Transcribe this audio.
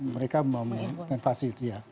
mereka memanfaatkan itu ya